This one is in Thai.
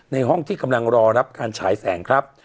ห้องที่กำลังรอรับการฉายแสงครับ